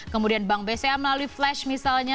kemudian bank bca melalui flash misalnya